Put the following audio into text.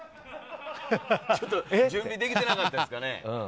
ちょっと準備できてなかったですかね。